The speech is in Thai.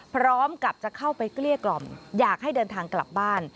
พร้อมกับจะเข้าไปเกลี้ยกล่อมอยากให้เดินทางกลับบ้าน